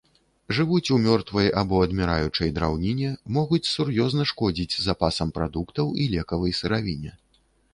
Жывуць у мёртвай або адміраючай драўніне, могуць сур'ёзна шкодзіць запасам прадуктаў і лекавай сыравіне.